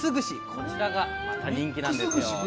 こちらが大人気なんです。